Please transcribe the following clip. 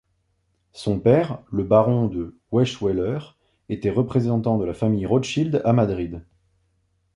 Son père, le baron de Weisweiller, était représentant de la famille Rothschild à Madrid.